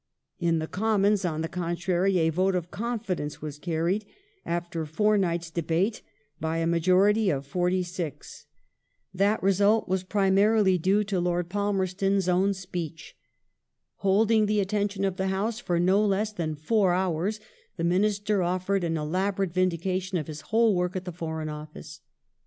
In the Commons, on the contrary, a vote of confidence was carried, after four nights' debate, by a majority of forty six. That result was primarily due to Lord Palmerston's own 1 Walpole, Russell, ii. 43 48. 1852] THE QUEEN'S MEMORANDUM 205 speech. Holding the attention of the House for no less than four houi s, the Minister offered an elaborate vindication of his whole work at the Foreign Office.